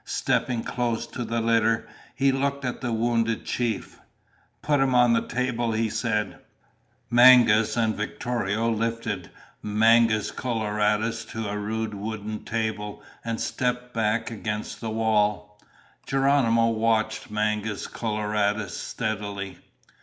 Stepping close to the litter, he looked at the wounded chief. "Put him on the table," he said. Mangas and Victorio lifted Mangus Coloradus to a rude wooden table and stepped back against the wall. Geronimo watched Mangus Coloradus steadily.